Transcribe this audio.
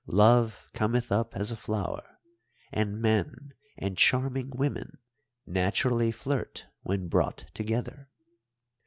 Love cometh up as a flower, and men and charming women naturally flirt when brought together.